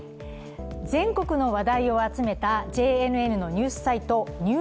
全国の話題を集めたＪＮＮのニュースサイト、「ＮＥＷＳＤＩＧ」。